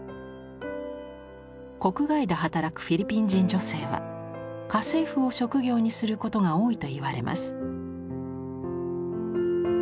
国外で働くフィリピン人女性は家政婦を職業にすることが多いといわれます。